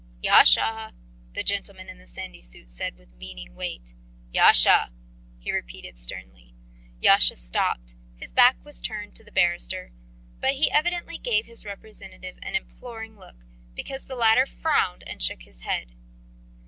"Yasha!" The gentleman in the sandy suit said with meaning weight. "Yasha!" he repeated sternly. Yasha stopped. His back was turned to the barrister, but be evidently gave his representative an imploring look, because the latter frowned and shook his head.